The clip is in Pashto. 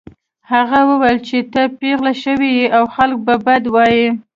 هغه وویل چې ته پیغله شوې يې او خلک به بد وايي